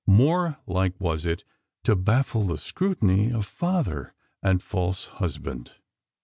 More like was it to baffle the scrutiny of father and false husband.